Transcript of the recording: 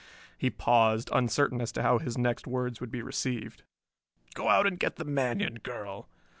He paused, uncertain as to how his next words would be received. "Go out and get the Manion girl.